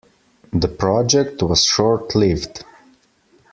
The project was short-lived.